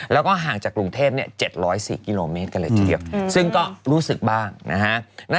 แล้วก็ห่างจากกรุงเทพ๗๐๔กิโลเมตรกันเลยทีเดียวซึ่งก็รู้สึกบ้างนะฮะ